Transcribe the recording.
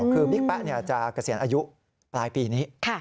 คือบิ๊กแป๊ะจะเกษียณอายุปลายปีนี้